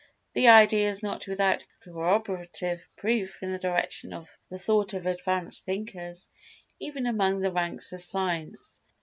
The idea is not without coroborative proof in the direction of the thought of advanced thinkers even among the ranks of Science.